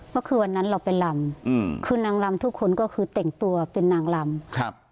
ว่าคือวันนั้นเราเป็นลำคือนางลำทุกคนก็คือเต่งตัวเป็นนางลำ